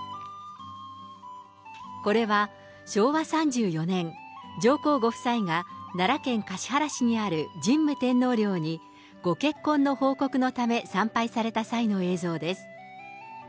これは昭和３４年、上皇ご夫妻が奈良県橿原市にある神武天皇陵にご結婚の報告のため参拝された際の映像です。